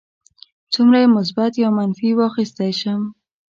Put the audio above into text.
څومره یې مثبت یا منفي واخیستی شم.